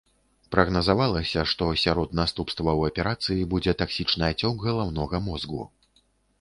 Прагназавалася, што сярод наступстваў аперацыі будзе таксічны ацёк галаўнога мозгу.